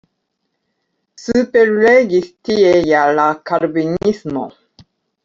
Superregis tie ja la Kalvinismo.